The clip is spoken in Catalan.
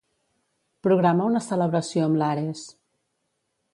Programa una celebració amb l'Ares.